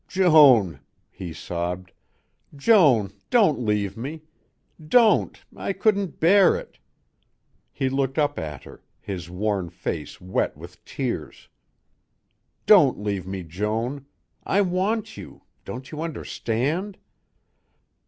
"Joan," he sobbed, "Joan! Don't leave me. Don't I couldn't bear it!" He looked up at her, his worn face wet with tears. "Don't leave me, Joan! I want you. Don't you understand?"